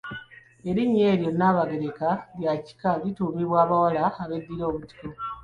Erinnya eryo Nnaabagereka lya kika, likyatuumibwa abawala abeddira Obutiko.